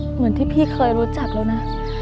เหมือนที่พี่เคยรู้จักแล้วนะ